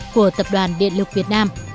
của tập đoàn điện lực việt nam